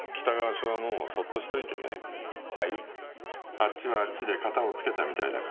あっちはあっちでカタをつけたみたいだから。